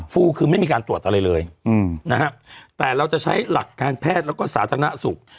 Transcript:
คือไม่มีการตรวจอะไรเลยนะฮะแต่เราจะใช้หลักการแพทย์แล้วก็สาธารณสุข